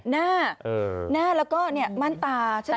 หน้าหน้าแล้วก็มั่นตาใช่ไหม